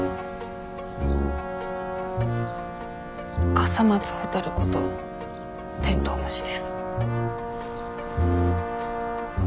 笠松ほたることテントウムシです。